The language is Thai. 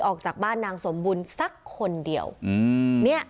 ออกจากบ้านนางสมบุญสักคนเดียว